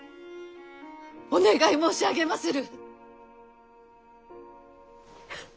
お願い申し上げまする。